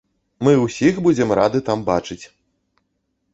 Мы ўсіх будзем рады там бачыць!